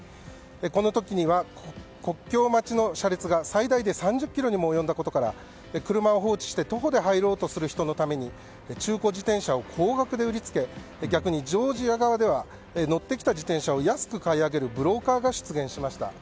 この時には、国境待ちの車列が最大で３０ｋｍにも及んだことから車を放置して徒歩で入ろうとする人のために中古自転車を高額で売りつけ逆にジョージア側では乗ってきた自転車を安く買い上げるブローカーが出現しました。